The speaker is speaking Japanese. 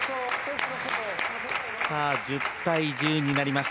１０対１０になります。